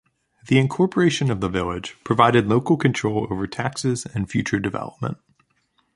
The incorporation of the Village provided local control over taxes and future development.